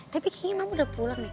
tapi kayaknya mam udah pulang deh